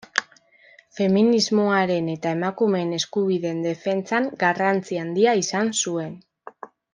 Feminismoaren eta emakumeen eskubideen defentsan garrantzi handia izan zuen.